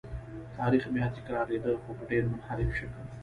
تاریخ بیا تکرارېده خو په ډېر منحرف شکل.